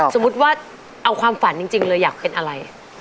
สมมุติว่าเอาความฝันจริงเลยอยากเป็นอะไร